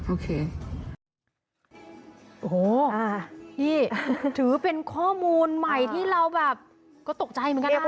โอเคโอ้โหนี่ถือเป็นข้อมูลใหม่ที่เราแบบก็ตกใจเหมือนกันนะ